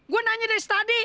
gue nanya dari tadi